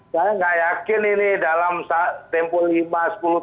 saya tidak yakin ini dalam tempoh lain